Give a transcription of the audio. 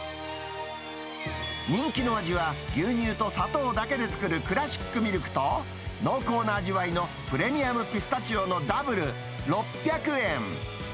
人気の味は、牛乳と砂糖だけで作るクラシックミルクと濃厚な味わいのプレミアムピスタチオのダブル６００円。